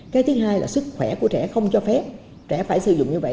cái thứ hai là sức khỏe của trẻ không cho phép trẻ phải sử dụng như vậy